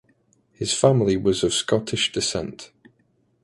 His family was of Scottish descent.